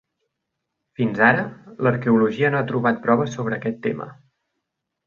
Fins ara, l'arqueologia no ha trobat proves sobre aquest tema.